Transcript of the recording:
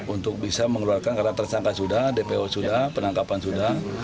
untuk bisa mengeluarkan karena tersangka sudah dpo sudah penangkapan sudah